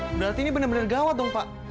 berarti ini benar benar gawat dong pak